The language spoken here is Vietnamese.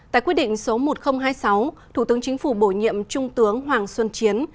tại quyết định số một nghìn hai mươi sáu thủ tướng chính phủ bổ nhiệm trung tướng hoàng xuân chiến